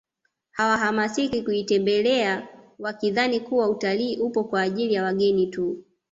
Hawahamasiki kuitembelea wakidhani kuwa utalii upo kwa ajili ya wageni tu